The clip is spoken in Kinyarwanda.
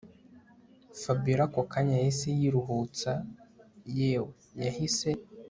Fabiora ako kanya yahise yiruhutsa yewe yahise